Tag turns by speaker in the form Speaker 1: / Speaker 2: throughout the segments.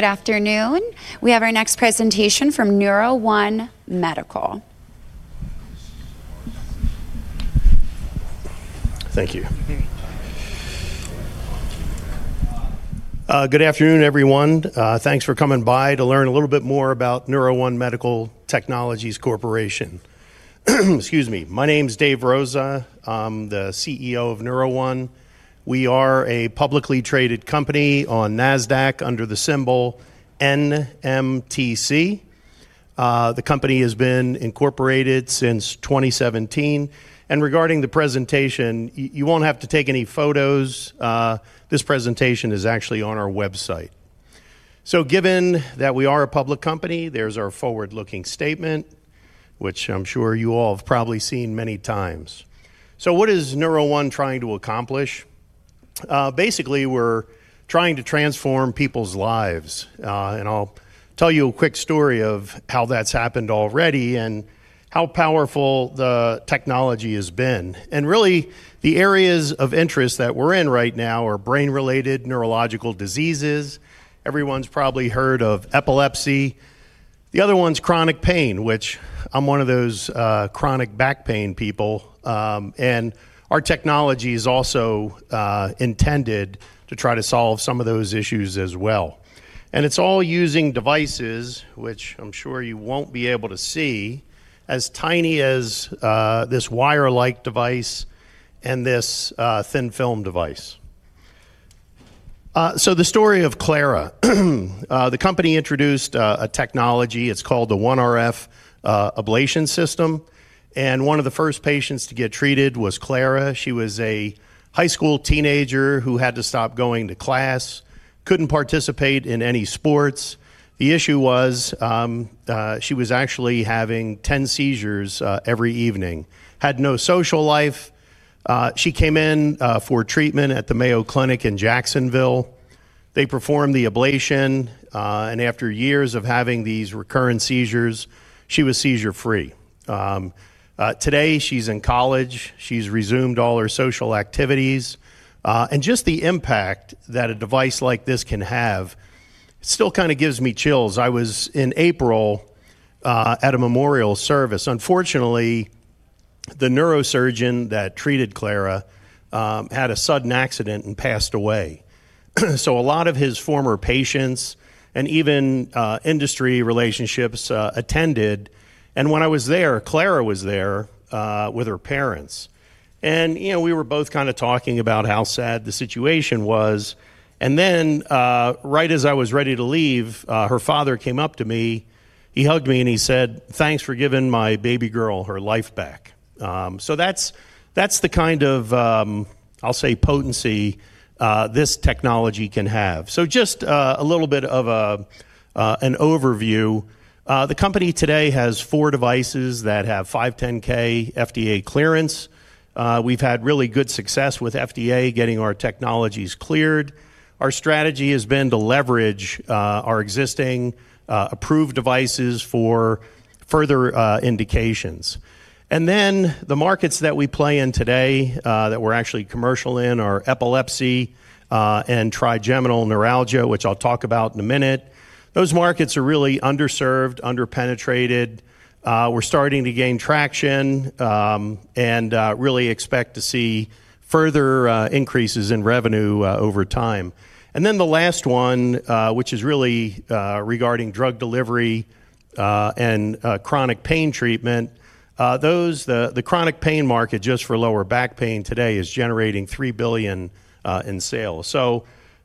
Speaker 1: Good afternoon. We have our next presentation from NeuroOne Medical.
Speaker 2: Thank you. Good afternoon, everyone. Thanks for coming by to learn a little bit more about NeuroOne Medical Technologies Corporation. Excuse me. My name's Dave Rosa. I'm the CEO of NeuroOne. We are a publicly traded company on Nasdaq under the symbol NMTC. The company has been incorporated since 2017. Regarding the presentation, you won't have to take any photos. This presentation is actually on our website. Given that we are a public company, there's our forward-looking statement, which I'm sure you all have probably seen many times. What is NeuroOne trying to accomplish? Basically, we're trying to transform people's lives. I'll tell you a quick story of how that's happened already and how powerful the technology has been. Really, the areas of interest that we're in right now are brain-related neurological diseases. Everyone's probably heard of epilepsy. The other one's chronic pain, which I'm one of those chronic back pain people. Our technology is also intended to try to solve some of those issues as well. It's all using devices, which I'm sure you won't be able to see, as tiny as this wire-like device and this thin film device. The story of Clara. The company introduced a technology. It's called the OneRF Ablation System, and one of the first patients to get treated was Clara. She was a high school teenager who had to stop going to class, couldn't participate in any sports. The issue was she was actually having 10 seizures every evening. Had no social life. She came in for treatment at the Mayo Clinic in Jacksonville. They performed the ablation. After years of having these recurrent seizures, she was seizure-free. Today, she's in college. She's resumed all her social activities. Just the impact that a device like this can have still kind of gives me chills. I was, in April, at a memorial service. Unfortunately, the neurosurgeon that treated Clara had a sudden accident and passed away. A lot of his former patients and even industry relationships attended. When I was there, Clara was there with her parents. We were both talking about how sad the situation was, then, right as I was ready to leave, her father came up to me. He hugged me, and he said, "Thanks for giving my baby girl her life back." That's the kind of, I'll say, potency this technology can have. Just a little bit of an overview. The company today has four devices that have 510 FDA clearance. We've had really good success with FDA getting our technologies cleared. Our strategy has been to leverage our existing approved devices for further indications. The markets that we play in today that we're actually commercial in are epilepsy and trigeminal neuralgia, which I'll talk about in a minute. Those markets are really underserved, under-penetrated. We're starting to gain traction, and really expect to see further increases in revenue over time. The last one, which is really regarding drug delivery and chronic pain treatment. The chronic pain market, just for lower back pain today, is generating $3 billion in sales.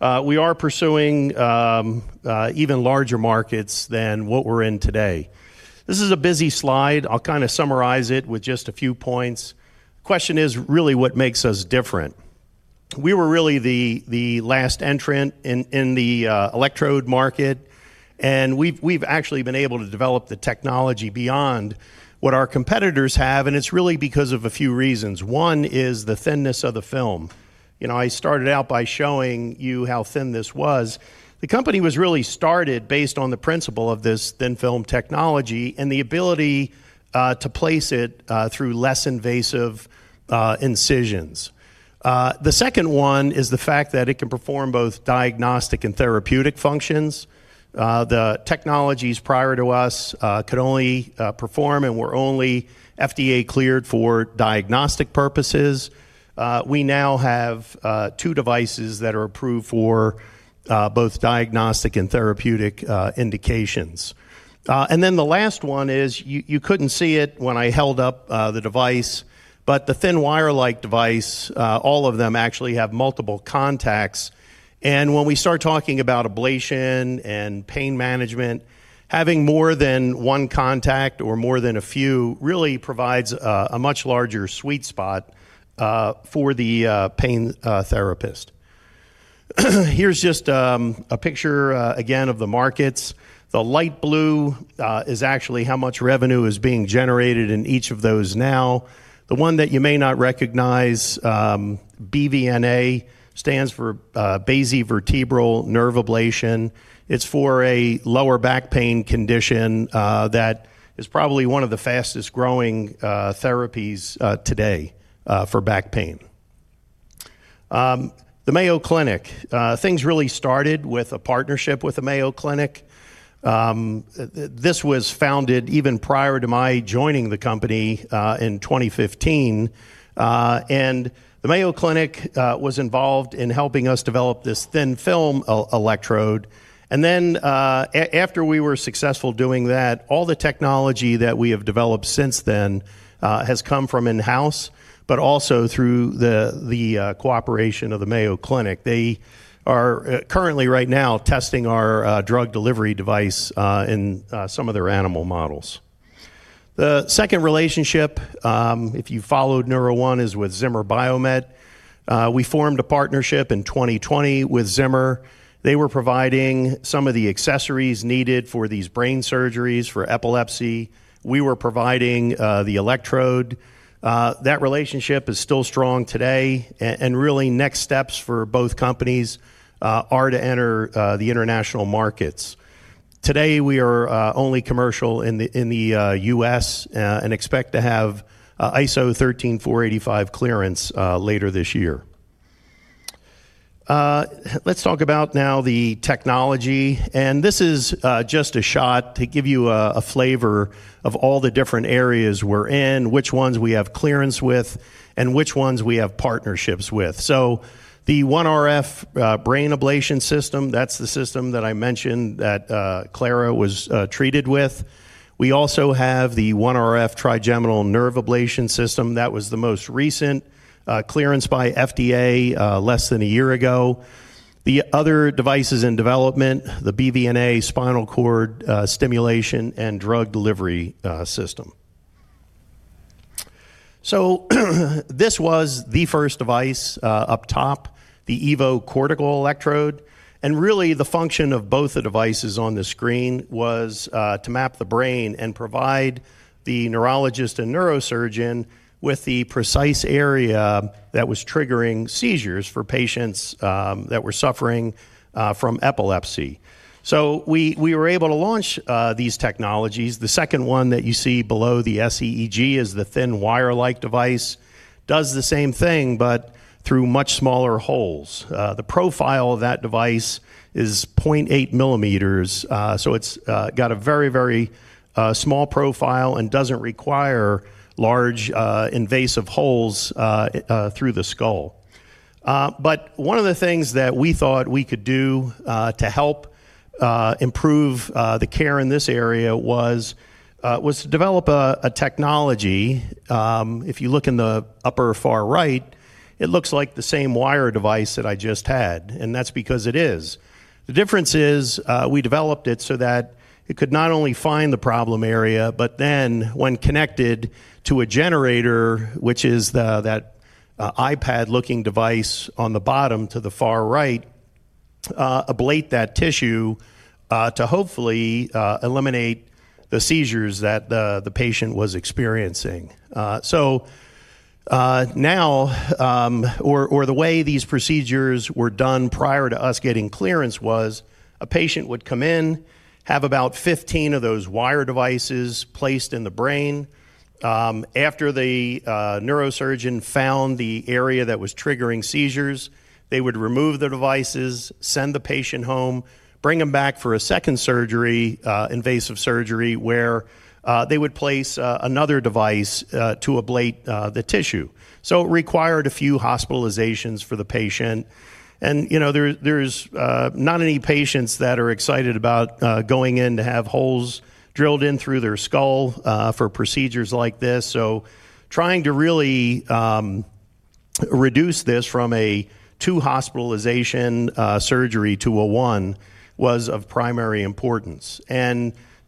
Speaker 2: We are pursuing even larger markets than what we're in today. This is a busy slide. I'll summarize it with just a few points. Question is really what makes us different. We were really the last entrant in the electrode market, we've actually been able to develop the technology beyond what our competitors have, it's really because of a few reasons. One is the thinness of the film. I started out by showing you how thin this was. The company was really started based on the principle of this thin film technology and the ability to place it through less invasive incisions. The second one is the fact that it can perform both diagnostic and therapeutic functions. The technologies prior to us could only perform and were only FDA cleared for diagnostic purposes. We now have two devices that are approved for both diagnostic and therapeutic indications. The last one is, you couldn't see it when I held up the device, the thin wire-like device, all of them actually have multiple contacts, when we start talking about ablation and pain management, having more than one contact or more than a few really provides a much larger sweet spot for the pain therapist. Here's just a picture, again, of the markets. The light blue is actually how much revenue is being generated in each of those now. The one that you may not recognize, BVNA, stands for Basivertebral Nerve Ablation. It's for a lower back pain condition that is probably one of the fastest-growing therapies today for back pain. The Mayo Clinic. Things really started with a partnership with the Mayo Clinic. This was founded even prior to my joining the company in 2015. The Mayo Clinic was involved in helping us develop this thin film electrode. After we were successful doing that, all the technology that we have developed since then has come from in-house, but also through the cooperation of the Mayo Clinic. They are currently right now testing our drug delivery device in some of their animal models. The second relationship, if you followed NeuroOne, is with Zimmer Biomet. We formed a partnership in 2020 with Zimmer. They were providing some of the accessories needed for these brain surgeries for epilepsy. We were providing the electrode. That relationship is still strong today. Really next steps for both companies are to enter the international markets. Today, we are only commercial in the U.S., and expect to have ISO 13485 clearance later this year. Let's talk about now the technology. This is just a shot to give you a flavor of all the different areas we're in, which ones we have clearance with, and which ones we have partnerships with. The OneRF Brain Ablation System, that's the system that I mentioned that Clara was treated with. We also have the OneRF Trigeminal Nerve Ablation System. That was the most recent clearance by FDA less than one year ago. The other devices in development, the BVNA Spinal Cord Stimulation and Drug Delivery system. This was the first device up top, the Evo Cortical Electrode. Really the function of both the devices on the screen was to map the brain and provide the neurologist and neurosurgeon with the precise area that was triggering seizures for patients that were suffering from epilepsy. We were able to launch these technologies. The second one that you see below the sEEG is the thin wire-like device, does the same thing, but through much smaller holes. The profile of that device is 0.8 mm. It's got a very, very small profile and doesn't require large invasive holes through the skull. One of the things that we thought we could do to help improve the care in this area was to develop a technology. If you look in the upper far right, it looks like the same wire device that I just had, and that's because it is. The difference is we developed it so that it could not only find the problem area, but then when connected to a generator, which is that iPad-looking device on the bottom to the far right, ablate that tissue to hopefully eliminate the seizures that the patient was experiencing. Now or the way these procedures were done prior to us getting clearance was a patient would come in, have about 15 of those wire devices placed in the brain. After the neurosurgeon found the area that was triggering seizures, they would remove the devices, send the patient home, bring them back for a second invasive surgery where they would place another device to ablate the tissue. It required a few hospitalizations for the patient, and there's not any patients that are excited about going in to have holes drilled in through their skull for procedures like this. Trying to really reduce this from a two-hospitalization surgery to a one was of primary importance.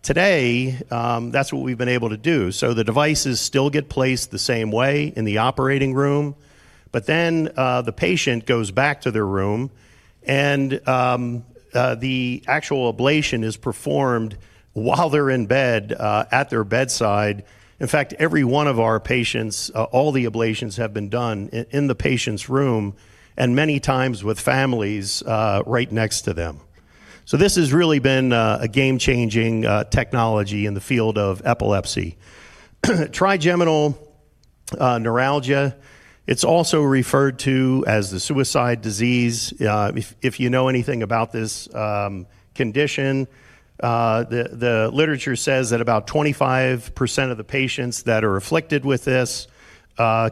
Speaker 2: Today, that's what we've been able to do. The devices still get placed the same way in the operating room, the patient goes back to their room and the actual ablation is performed while they're in bed at their bedside. In fact, every one of our patients, all the ablations have been done in the patient's room and many times with families right next to them. This has really been a game-changing technology in the field of epilepsy. Trigeminal neuralgia. It's also referred to as the suicide disease. If you know anything about this condition, the literature says that about 25% of the patients that are afflicted with this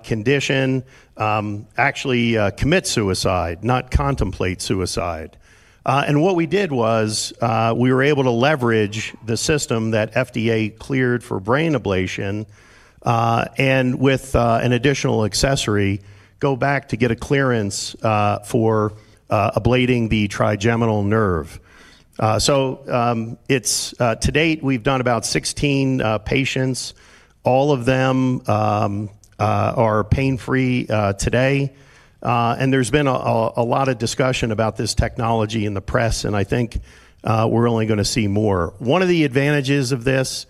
Speaker 2: condition actually commit suicide, not contemplate suicide. What we did was we were able to leverage the system that FDA cleared for brain ablation, and with an additional accessory, go back to get a clearance for ablating the trigeminal nerve. To date, we've done about 16 patients. All of them are pain-free today. There's been a lot of discussion about this technology in the press, and I think we're only going to see more. One of the advantages of this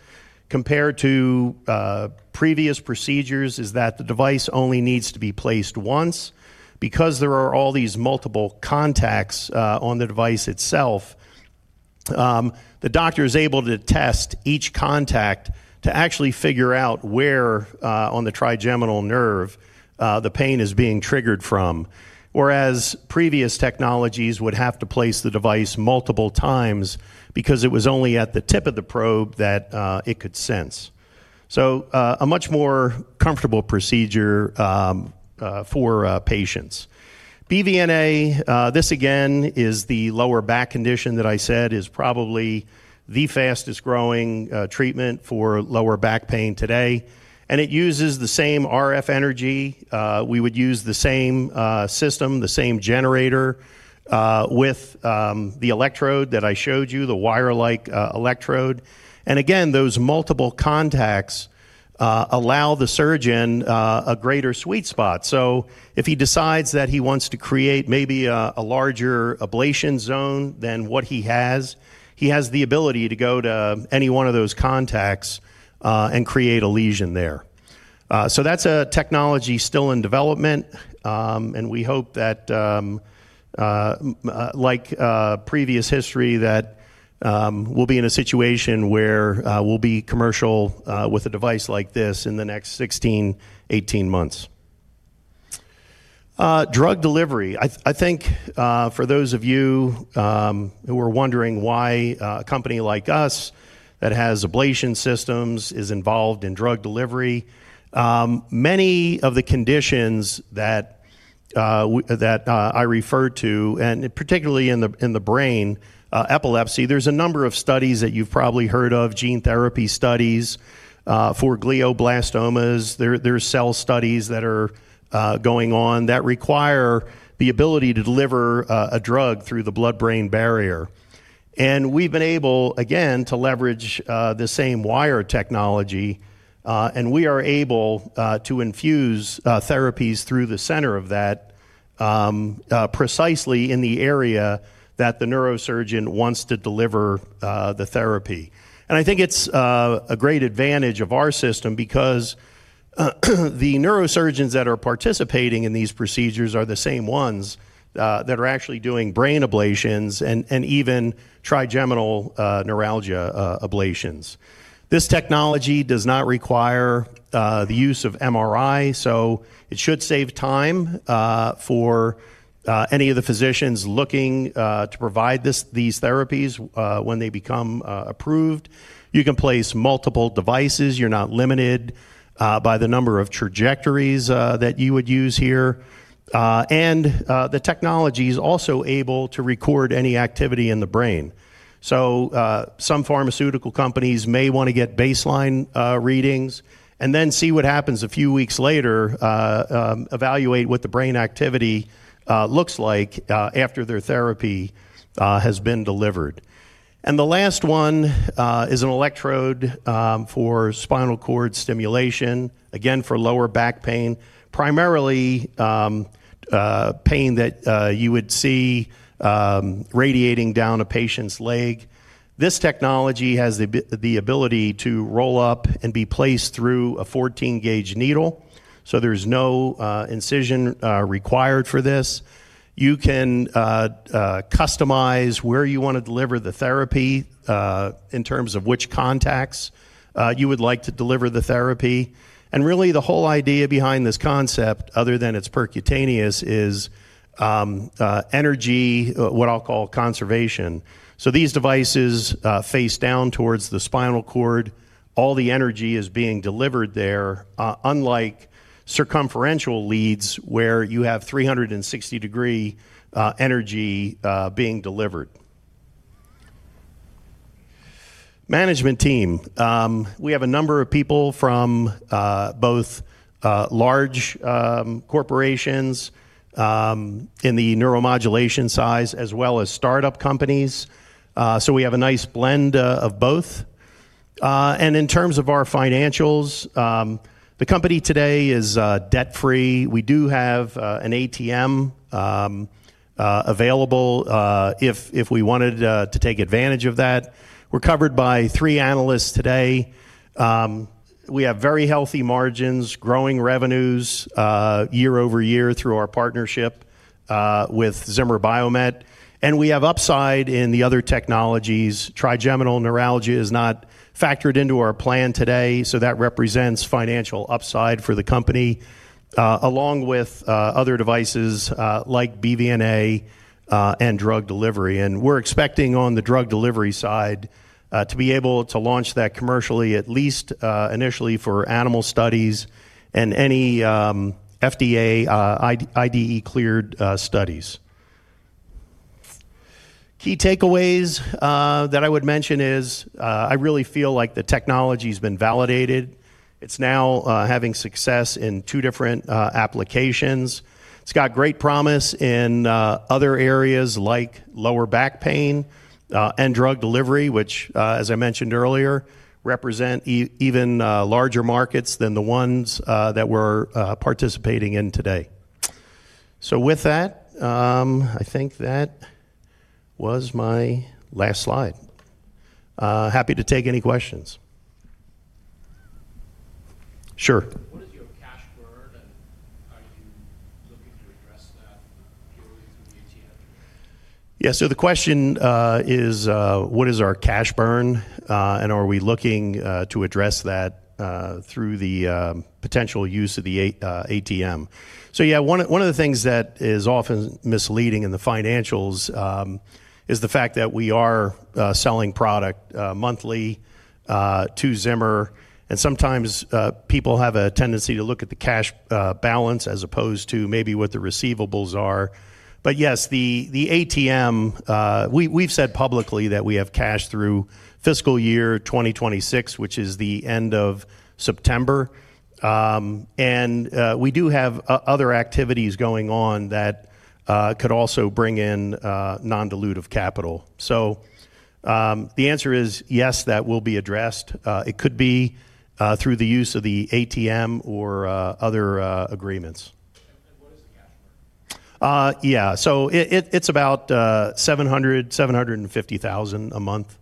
Speaker 2: compared to previous procedures is that the device only needs to be placed once. Because there are all these multiple contacts on the device itself the doctor is able to test each contact to actually figure out where on the trigeminal nerve the pain is being triggered from, whereas previous technologies would have to place the device multiple times because it was only at the tip of the probe that it could sense. A much more comfortable procedure for patients. BVNA, this again is the lower back condition that I said is probably the fastest-growing treatment for lower back pain today, it uses the same RF energy. We would use the same system, the same generator with the electrode that I showed you, the wire-like electrode. Again, those multiple contacts allow the surgeon a greater sweet spot. If he decides that he wants to create maybe a larger ablation zone than what he has, he has the ability to go to any one of those contacts and create a lesion there. That's a technology still in development, and we hope that like previous history, that we'll be in a situation where we'll be commercial with a device like this in the next 16, 18 months. Drug delivery. I think for those of you who are wondering why a company like us that has ablation systems is involved in drug delivery, many of the conditions that I refer to, and particularly in the brain, epilepsy, there's a number of studies that you've probably heard of, gene therapy studies for glioblastomas. There's cell studies that are going on that require the ability to deliver a drug through the blood-brain barrier. We've been able, again, to leverage the same wire technology, and we are able to infuse therapies through the center of that precisely in the area that the neurosurgeon wants to deliver the therapy. I think it's a great advantage of our system because the neurosurgeons that are participating in these procedures are the same ones that are actually doing brain ablations and even trigeminal neuralgia ablations. This technology does not require the use of MRI, it should save time for any of the physicians looking to provide these therapies when they become approved. You can place multiple devices. You're not limited by the number of trajectories that you would use here. The technology is also able to record any activity in the brain. Some pharmaceutical companies may want to get baseline readings and then see what happens a few weeks later, evaluate what the brain activity looks like after their therapy has been delivered. The last one is an electrode for spinal cord stimulation, again, for lower back pain, primarily pain that you would see radiating down a patient's leg. This technology has the ability to roll up and be placed through a 14-gauge needle, there's no incision required for this. You can customize where you want to deliver the therapy in terms of which contacts you would like to deliver the therapy. Really the whole idea behind this concept, other than it's percutaneous, is energy, what I'll call conservation. These devices face down towards the spinal cord. All the energy is being delivered there, unlike circumferential leads where you have 360-degree energy being delivered. Management team. We have a number of people from both large corporations in the neuromodulation size as well as startup companies. We have a nice blend of both. In terms of our financials, the company today is debt-free. We do have an ATM available if we wanted to take advantage of that. We're covered by three analysts today. We have very healthy margins, growing revenues year-over-year through our partnership with Zimmer Biomet, we have upside in the other technologies. Trigeminal neuralgia is not factored into our plan today, that represents financial upside for the company, along with other devices like BVNA and drug delivery. We're expecting on the drug delivery side to be able to launch that commercially, at least initially for animal studies and any FDA IDE-cleared studies. Key takeaways that I would mention is I really feel like the technology's been validated. It's now having success in two different applications. It's got great promise in other areas like lower back pain and drug delivery, which, as I mentioned earlier, represent even larger markets than the ones that we're participating in today. With that, I think that was my last slide. Happy to take any questions. Sure. Yeah. The question is what is our cash burn, and are we looking to address that through the potential use of the ATM? Yeah, one of the things that is often misleading in the financials is the fact that we are selling product monthly to Zimmer, and sometimes people have a tendency to look at the cash balance as opposed to maybe what the receivables are. Yes, the ATM, we've said publicly that we have cash through fiscal year 2026, which is the end of September. We do have other activities going on that could also bring in non-dilutive capital. The answer is yes, that will be addressed. It could be through the use of the ATM or other agreements.
Speaker 3: What is the cash burn?
Speaker 2: Yeah. It is about $700,000-$750,000 a month.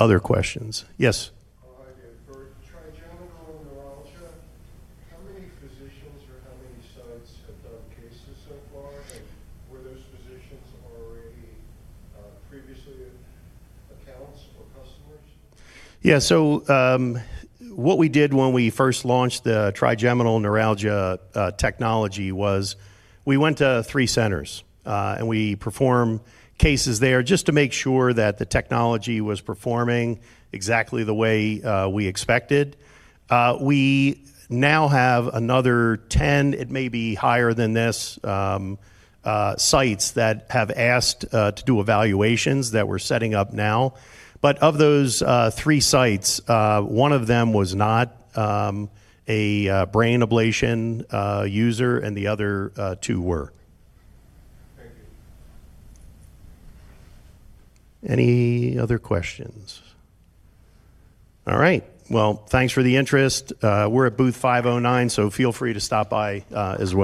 Speaker 2: Other questions? Yes.
Speaker 3: Hi, again. For trigeminal neuralgia, how many physicians or how many sites have done cases so far? Were those physicians already previously accounts or customers?
Speaker 2: Yeah. What we did when we first launched the trigeminal neuralgia technology was we went to three centers, we performed cases there just to make sure that the technology was performing exactly the way we expected. We now have another 10, it may be higher than this, sites that have asked to do evaluations that we are setting up now. Of those three sites, one of them was not a brain ablation user, the other two were.
Speaker 3: Thank you.
Speaker 2: Any other questions? All right. Well, thanks for the interest. We're at Booth 509. Feel free to stop by as well.